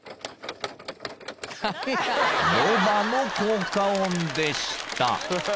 ・［ロバの効果音でした］